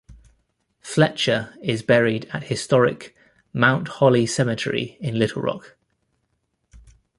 Fletcher is buried at historic Mount Holly Cemetery in Little Rock.